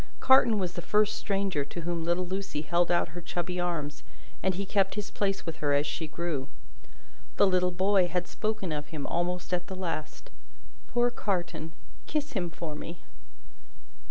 Carton was the first stranger to whom little Lucie held out her chubby arms, and he kept his place with her as she grew. The little boy had spoken of him, almost at the last. "Poor Carton! Kiss him for me!"